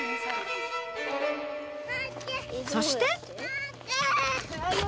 そして。